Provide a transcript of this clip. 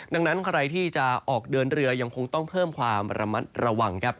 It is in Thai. ดังนั้นใครที่จะออกเดินเรือยังคงต้องเพิ่มความระมัดระวังครับ